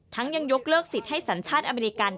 ยังยกเลิกสิทธิ์ให้สัญชาติอเมริกัน